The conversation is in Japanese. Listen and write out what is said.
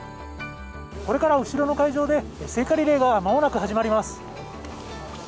これから後ろの会場で聖火リレーが間もなく始まります。